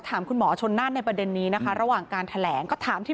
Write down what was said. ถามคุณหมอชนน่านในประเด็นนี้นะคะระหว่างการแถลงก็ถามที่